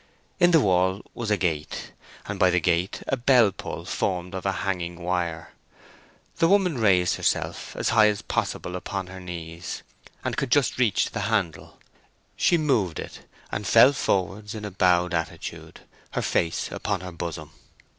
In the wall was a gate, and by the gate a bellpull formed of a hanging wire. The woman raised herself as high as possible upon her knees, and could just reach the handle. She moved it and fell forwards in a bowed attitude, her face upon her bosom.